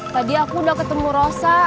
tadi aku udah ketemu rosa